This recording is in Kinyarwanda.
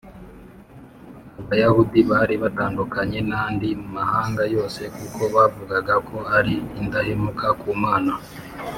abayahudi bari batandukanye n’andi mahanga yose, kuko bavugaga ko ari indahemuka ku mana